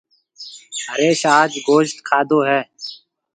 هريش آج گوشت کادو هيَ۔